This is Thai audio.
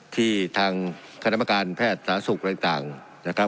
ที่ทางคณะประการแพทย์สาธารณสุขอะไรต่างนะครับ